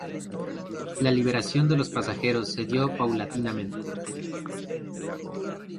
La liberación de los pasajeros se dio paulatinamente.